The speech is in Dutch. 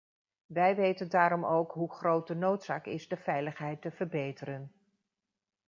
Wij weten daarom ook hoe groot de noodzaak is de veiligheid te verbeteren.